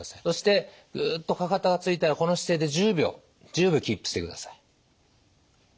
そしてグッとかかとがついたらこの姿勢で１０秒１０秒キープしてください。